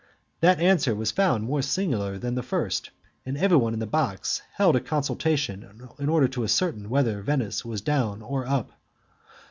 That answer was found more singular than the first, and everybody in the box held a consultation in order to ascertain whether Venice was down or up.